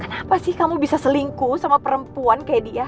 kenapa sih kamu bisa selingkuh sama perempuan